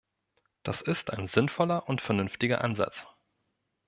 Das ist ein sinnvoller und vernünftiger Ansatz.